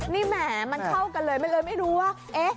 นี่แหมมันเข้ากันเลยมันเลยไม่รู้ว่า